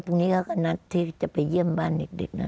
พรุ่งนี้เราก็นัดที่จะไปเยี่ยมบ้านเด็กนะ